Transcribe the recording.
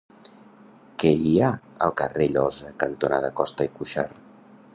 Què hi ha al carrer Llosa cantonada Costa i Cuxart?